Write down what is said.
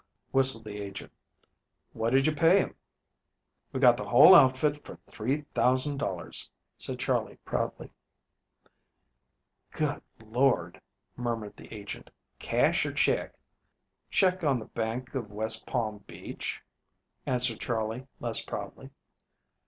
whistled the agent. "What did you pay him?" "We got the whole outfit for $3,000," said Charley proudly. "Good Lord!" murmured the agent. "Cash or check?" "Check on the Bank of West Palm Beach," answered Charley less proudly.